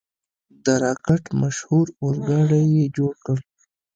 د راکټ مشهور اورګاډی یې جوړ کړ.